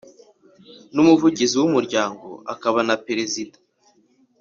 N umuvugizi w umuryango akaba na perezida